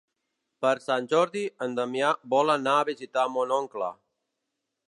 Per Sant Jordi en Damià vol anar a visitar mon oncle.